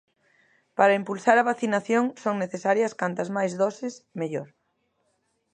Para impulsar a vacinación son necesarias cantas máis doses, mellor.